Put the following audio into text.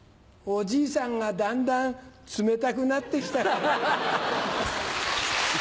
おじいさんがだんだん冷たくなって来たから。